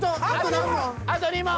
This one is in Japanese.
あと２問。